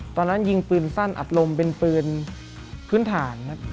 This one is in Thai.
ตอนนั้นยิงปืนสั้นอัดลมเป็นปืนพื้นฐานครับ